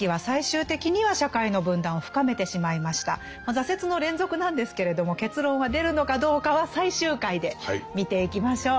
挫折の連続なんですけれども結論は出るのかどうかは最終回で見ていきましょう。